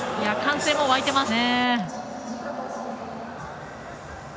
歓声も沸いていましたね。